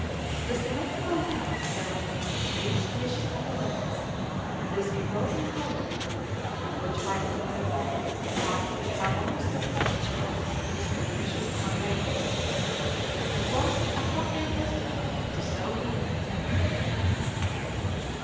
The symmetrical wings terminate in three spacious pavilions and this imposing colonnade, which, by its great length, height, and harmonious proportions, is conspicuous from a great distance, and forms an appropriate vestibule to so grand a temple.